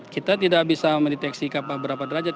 kita tidak bisa mendeteksi kapal berapa derajat